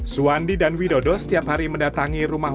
suwandi dan widodo setiap hari mendatangi rumah